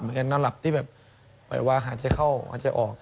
เหนื่อยนอนหลับที่แบบปลายวางภาษาจะเข้า